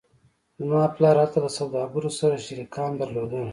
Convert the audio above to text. زما پلار هلته له سوداګرو سره شریکان درلودل